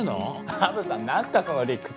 虻さん何すかその理屈。